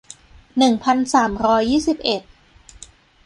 หนึ่งพันสามร้อยยี่สิบเอ็ด